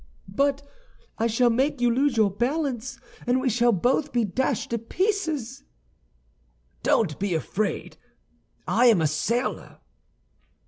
"But I shall make you lose your balance, and we shall both be dashed to pieces." "Don't be afraid. I am a sailor."